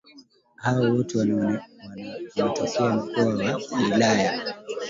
Hao wote walitokea mkoa wa Galilaya